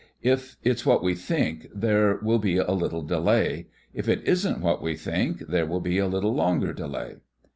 If it's what we think there will be a little delay. If it isn't what we think, there will be a little longer delay."